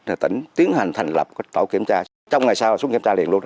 để tỉnh tiến hành thành lập tổ kiểm tra trong ngày sau là xuất kiểm tra liền luôn